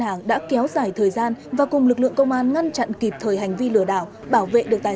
hàng đã kéo dài thời gian và cùng lực lượng công an ngăn chặn kịp thời hành vi lừa đảo bảo vệ được tài